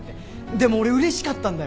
でも俺うれしかったんだよ。